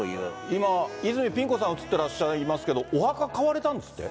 今、泉ピン子さん、映ってらっしゃいますけど、お墓買われたんですって。